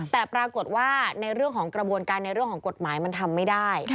แต่ปรากฏว่าในเรื่องของกระบวนการในเรื่องของกฎหมายมันทำไม่ได้